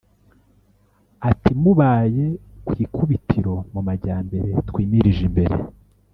Ati “Mubaye ku ikubitiro mu majyambere twimirije imbere